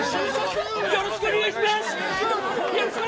よろしくお願いします！